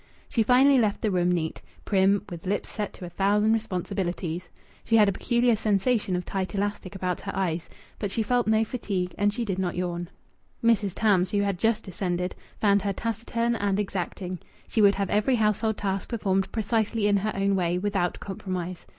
She finally left the room neat, prim, with lips set to a thousand responsibilities. She had a peculiar sensation of tight elastic about her eyes, but she felt no fatigue, and she did not yawn. Mrs. Tams, who had just descended, found her taciturn and exacting. She would have every household task performed precisely in her own way, without compromise.